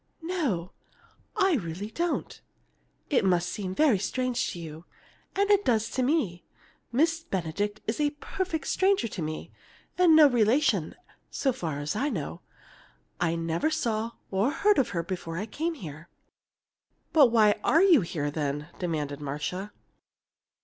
"No, I really don't. It must seem very strange to you, and it does to me. Miss Benedict is a perfect stranger to me, and no relation, so far as I know. I never saw or heard of her before I came here." "But why are you here then?" demanded Marcia.